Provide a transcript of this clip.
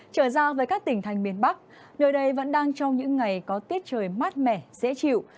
trở ra với các tỉnh thành miền bắc nơi đây vẫn đang trong những ngày có tiết trời mát mẻ dễ chịu